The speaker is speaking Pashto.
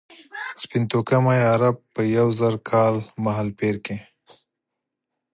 سپین توکمي عرب په یو زر کال مهالپېر کې.